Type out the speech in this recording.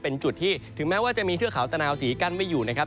เป็นจุดที่ถึงแม้ว่าจะมีเทือกเขาตะนาวสีกั้นไม่อยู่นะครับ